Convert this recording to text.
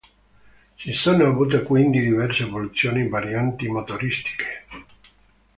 Si sono avute quindi diverse evoluzioni e varianti motoristiche.